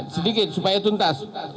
sedikit supaya tuntas